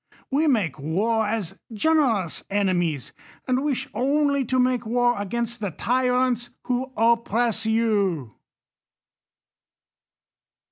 We make war as generous enemies ; and wish only to make war against the tyrants who oppress you.